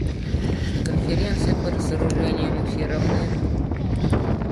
На Конференции по разоружению мы все равны.